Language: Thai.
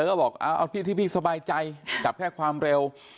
ก็บอกพี่สบายใจจับแค่ความเร็ว